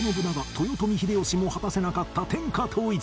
豊臣秀吉も果たせなかった天下統一